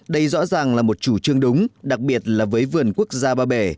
đây rõ ràng là một chủ trương đúng đặc biệt là với vườn quốc gia ba bể